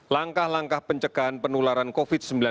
langkah langkah pencegahan penularan covid sembilan belas